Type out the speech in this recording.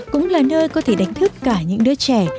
cũng là nơi có thể đánh thức cả những đứa trẻ